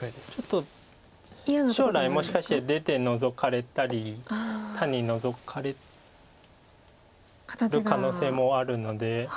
将来もしかして出てノゾかれたり単にノゾかれる可能性もあるので。